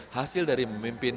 hasil dari memimpinnya